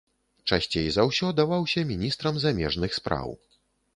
Часцей за ўсё даваўся міністрам замежных спраў.